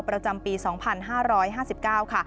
ประจำปี๒๕๕๙ค่ะ